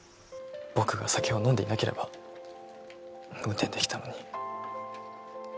僕が酒を飲んでいなければ運転できたのに